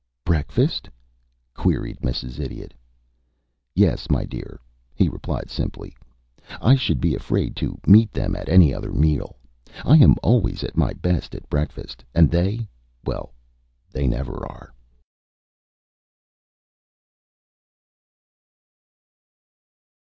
"Breakfast?" queried Mrs. Idiot. "Yes, my dear," he replied, simply. "I should be afraid to meet them at any other meal. I am always at my best at breakfast, and they well, they never are."